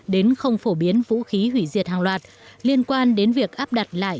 đến không phổ biến vũ khí hủy diệt hàng loạt liên quan đến việc áp đặt lại